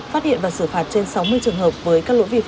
phát hiện và xử phạt trên sáu mươi trường hợp với các lỗi vi phạm